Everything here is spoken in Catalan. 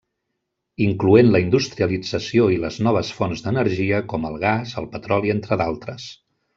Incloent la industrialització i les noves fonts d'energia com el gas, el petroli entre d'altres.